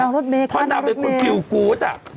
นางรถเมฆค่ะนางรถเมฆเพราะนางเป็นคนคิวกู๊ดอ่ะอืม